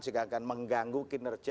sehingga akan mengganggu kinerja